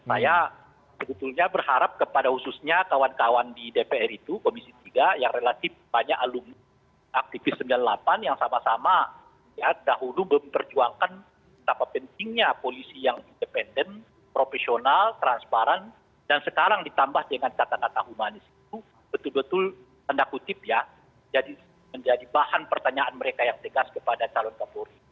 saya sebetulnya berharap kepada khususnya kawan kawan di dpr itu komisi tiga yang relatif banyak alami aktivis sembilan puluh delapan yang sama sama ya dahulu memperjuangkan betapa pentingnya polisi yang independen profesional transparan dan sekarang ditambah dengan catatan catatan humanis itu betul betul tanda kutip ya menjadi bahan pertanyaan mereka yang tegas kepada calon kapolri